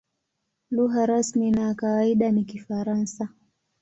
Lugha rasmi na ya kawaida ni Kifaransa.